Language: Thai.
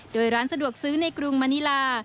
โดยร้านสะดวกซื้อในกรุงมณิลา